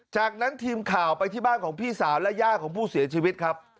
จากนั้นทีมข่าวไปที่บ้านของพี่สาวและย่าของผู้เสียชีวิตครับ